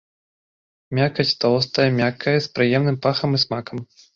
Мякаць тоўстая, мяккая, з прыемным пахам і смакам.